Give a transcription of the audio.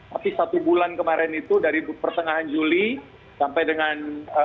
tapi satu bulan kemarin itu dari pertengahan juli sampai dengan